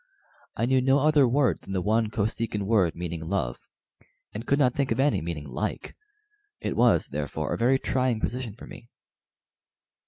I knew no other word than the one Kosekin word meaning "love," and could not think of any meaning "like." It was, therefore, a very trying position for me.